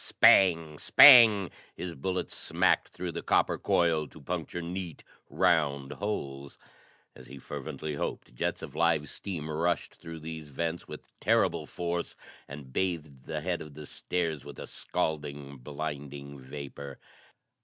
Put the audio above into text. Spang! Spang! His bullets smacked through the copper coil to puncture neat, round holes. As he fervently hoped, jets of live steam rushed through these vents with terrible force and bathed the head of the stairs with a scalding, blinding vapor.